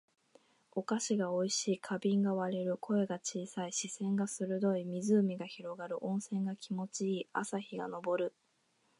お菓子が美味しい。花瓶が割れる。声が小さい。視線が鋭い。湖が広がる。温泉が気持ち良い。朝日が昇る。